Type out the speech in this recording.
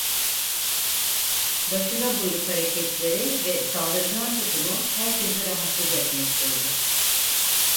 Başına buyruk hareketleri ve saldırgan tutumu herkesi rahatsız etmekteydi.